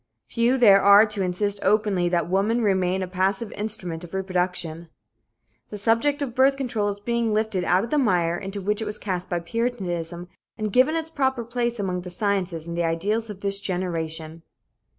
Few there are to insist openly that woman remain a passive instrument of reproduction. The subject of birth control is being lifted out of the mire into which it was cast by puritanism and given its proper place among the sciences and the ideals of this generation.